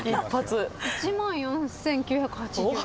１万４，９８０円。